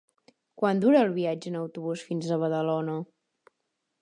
Quant dura el viatge en autobús fins a Badalona?